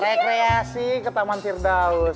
rekreasi ke taman sirdaus